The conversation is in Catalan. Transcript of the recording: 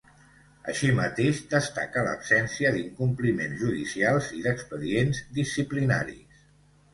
Així mateix, destaca l’absència d’incompliments judicials i d’expedients disciplinaris.